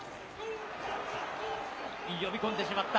呼び込んでしまった。